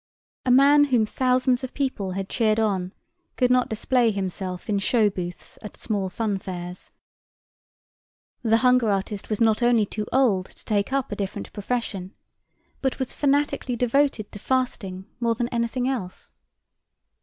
A man whom thousands of people had cheered on could not display himself in show booths at small fun fairs. The hunger artist was not only too old to take up a different profession, but was fanatically devoted to fasting more than anything else.